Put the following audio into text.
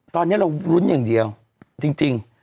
ตอนนี้เรารุ้นอย่างเดียวจริง